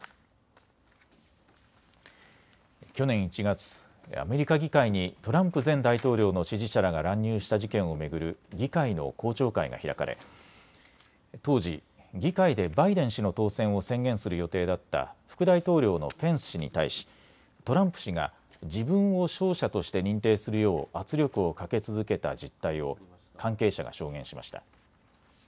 去年１月、アメリカ議会にトランプ前大統領の支持者らが乱入した事件を巡る議会の公聴会が開かれ当時、議会でバイデン氏の当選を宣言する予定だった副大統領のペンス氏に対しトランプ氏が自分を勝者として認定するよう圧力をかけ続けた実態を関係者が証言しました。